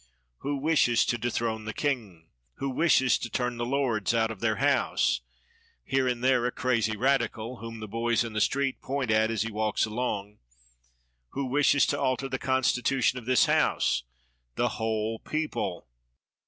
Who wishes to dethrone the king? Who wishes to turn the lords out of their House? Here and there a crazy radical, whom the boys in the street point at as he walks along. Who wishes to alter the constitution of this House? The whole people.